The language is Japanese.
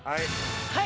はい！